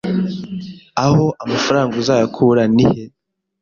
aho amafaranga uzayakura nihe